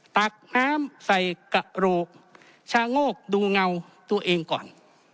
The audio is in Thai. ตักน้ำใส่กระโหลกชาโงกดูเงาตัวเองก่อน